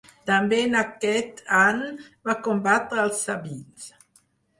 També en aquest any va combatre als sabins.